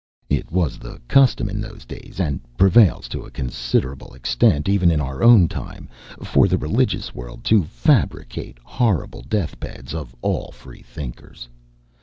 It was the custom in those days, and prevails to a considerable extent even in our own time, for the religious world to fabricate "horrible death beds" of all Freethinkers.